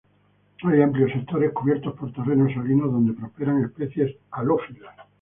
Hay amplios sectores cubiertos por terrenos salinos donde prosperan especies halófilas.